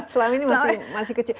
selama ini masih kecil